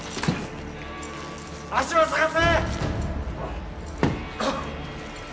足場を探せ！